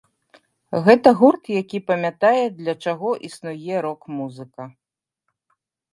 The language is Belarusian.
Гэта гурт, які памятае, для чаго існуе рок-музыка.